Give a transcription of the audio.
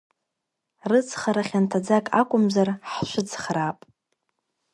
Рыцҳара хьанҭаӡак акәымзар, ҳшәыцхраап.